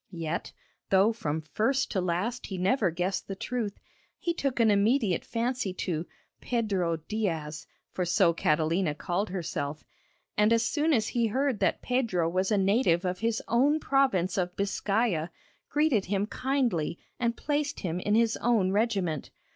Yet, though from first to last he never guessed the truth, he took an immediate fancy to 'Pedro Diaz' for so Catalina called herself and, as soon as he heard that Pedro was a native of his own province of Biscaya, greeted him kindly and placed him in his own regiment.